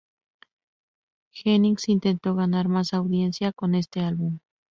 Jennings intento ganar más audiencia con este álbum.